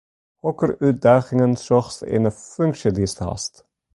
Hokker útdagingen sjochst yn ’e funksje dy’tst hast?